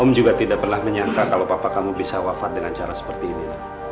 kamu juga tidak pernah menyangka kalau papa kamu bisa wafat dengan cara seperti ini